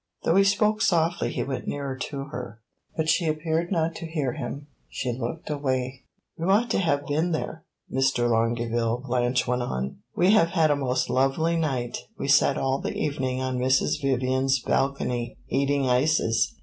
Though he spoke softly he went nearer to her; but she appeared not to hear him she looked away. "You ought to have been there, Mr. Longueville," Blanche went on. "We have had a most lovely night; we sat all the evening on Mrs. Vivian's balcony, eating ices.